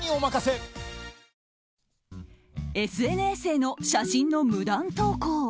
ＳＮＳへの写真の無断投稿。